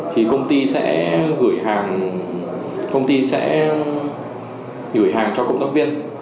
thì công ty sẽ gửi hàng cho cộng tác viên